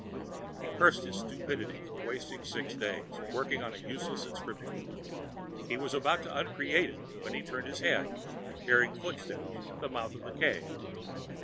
He cursed his stupidity for wasting six days working at the useless inscription. He was about to uncreate it when he turned his head, hearing footsteps at the mouth of the cave.